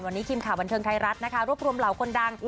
วันนี้ทีมข่าวบันเทิงไทยรัฐนะคะรวบรวมเหล่าคนดัง